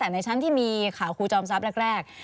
ด้านในชั้นที่มีข่าวครูจอมซับแรก